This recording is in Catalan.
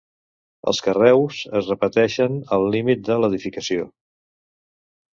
Els carreus es repeteixen al límit de l'edificació.